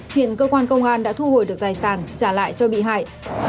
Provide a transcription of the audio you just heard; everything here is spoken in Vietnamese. hiện cơ quan công an đã thu hồi được tài sản trả lại cho bị hại